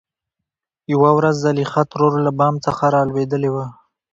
يوه ورځ زليخا ترور له بام څخه رالوېدلې وه .